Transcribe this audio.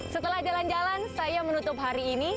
setelah jalan jalan saya menutup hari ini